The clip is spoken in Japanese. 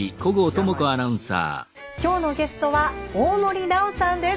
今日のゲストは大森南朋さんです。